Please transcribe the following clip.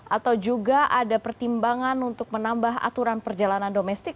atau juga ada pertimbangan untuk menambah aturan perjalanan domestik